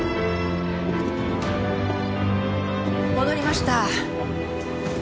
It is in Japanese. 戻りました。